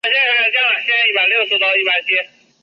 世界高尔夫球锦标赛主办。